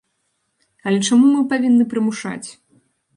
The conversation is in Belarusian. Але чаму мы павінны прымушаць?!